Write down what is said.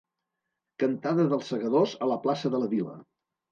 Cantada dels Segadors a la plaça de la Vila.